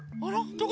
どこ？